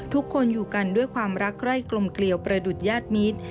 ทุกคนอยู่กันด้วยความรักไร่กลมเกลียวประดุษญาติมิตร